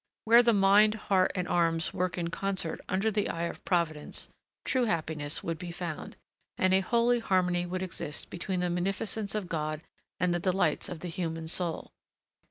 Where the mind, heart, and arms work in concert under the eye of Providence, true happiness would be found, and a holy harmony would exist between the munificence of God and the delights of the human soul.